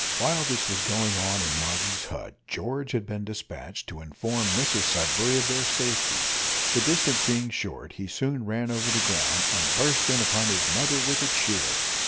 While this was going on in Moggy's hut, George had been despatched to inform Mrs Sudberry of their safety. The distance being short, he soon ran over the ground, and burst in upon his mother with a cheer.